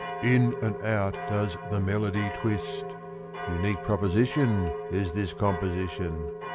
In and out does the melody twist Unique proposition Is this composition.